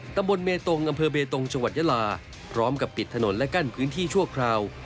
ตำบลเบตงอำเภอเบตงจังหวัดยาลาพร้อมกับปิดถนนและกั้นพื้นที่ชั่วคราว